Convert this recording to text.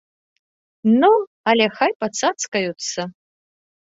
Ну, але хай пацацкаюцца!